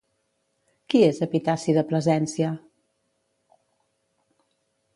Qui és Epitaci de Plasència?